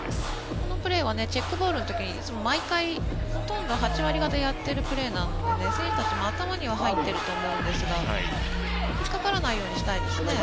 このプレーはチェックボールの時にほとんど、８割方やっているプレーなので選手たちも頭には入っていると思うので引っかからないようにしたいですね。